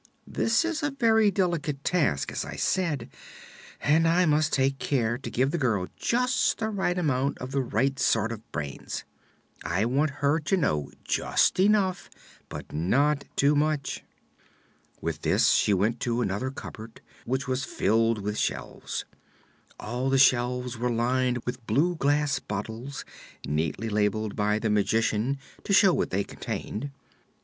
This is a very delicate task, as I said, and I must take care to give the girl just the right quantity of the right sort of brains. I want her to know just enough, but not too much." With this she went to another cupboard which was filled with shelves. All the shelves were lined with blue glass bottles, neatly labeled by the Magician to show what they contained.